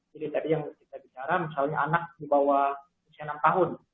jadi tadi yang kita bicara misalnya anak di bawah enam tahun